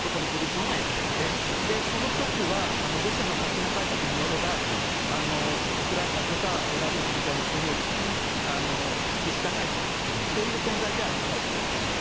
で、その極はロシアの勝手な解釈によればウクライナとかベラルーシみたいな国を付き従えた存在でありたいと。